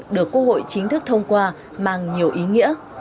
được quốc hội chính thức thông qua mang nhiều ý nghĩa